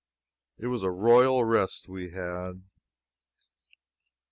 It was a royal rest we had.